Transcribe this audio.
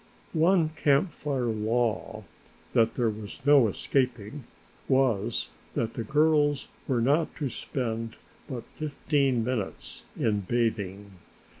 One Camp Fire law, that there was no escaping, was that the girls were not to spend but fifteen minutes in bathing.